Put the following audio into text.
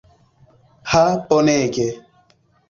Ha bonege.